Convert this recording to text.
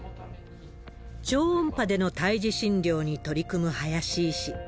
超音波での胎児診療に取り組む林医師。